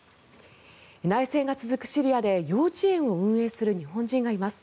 内戦が続くシリアで幼稚園を運営する日本人がいます。